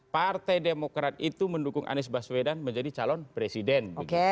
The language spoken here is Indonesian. partai demokrat itu mendukung anies baswedan menjadi calon presiden